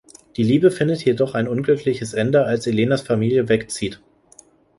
Die Liebe findet jedoch ein unglückliches Ende, als Elenas Familie wegzieht.